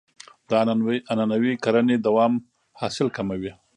د عنعنوي کرنې دوام حاصل کموي.